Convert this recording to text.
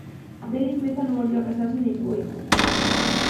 Velis-Meza no volvió a casarse ni tuvo hijos.